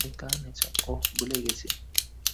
ওহ, ভুলেই গেছি।